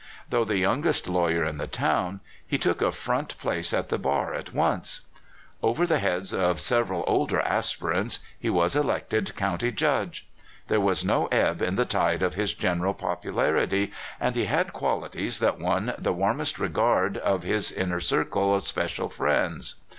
Though the 3'oungest lawyer in the town, he took a front place at the bar at 230 CALIFORNIA SKETCHES. once. Over the heads of several older aspirants, he was elected county judge. There was no ebb in the tide of his general popularity, and he had qualities that won the warmest regard of his inner circle of special friends.